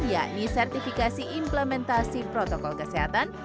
yakni sertifikasi implementasi protokol kesehatan